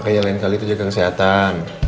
kayak lain kali itu jaga kesehatan